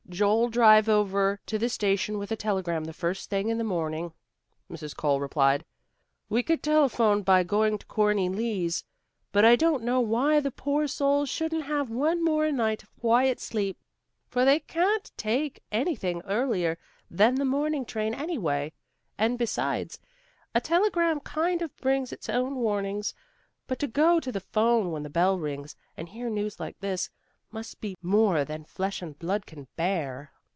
"Joe'll drive over to the station with a telegram the first thing in the morning," Mrs. Cole replied. "We could telephone by going to Corney Lee's, but I don't know why the poor souls shouldn't have one more night of quiet sleep, for they can't take anything earlier than the morning train anyway. And, besides, a telegram kind of brings its own warning, but to go to the 'phone when the bell rings, and hear news like this, must be 'most more than flesh and blood can bear."